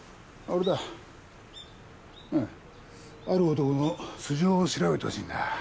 ある男の素性を調べてほしいんだ。